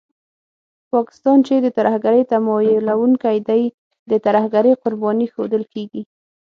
پاکستان چې د ترهګرۍ تمويلوونکی دی، د ترهګرۍ قرباني ښودل کېږي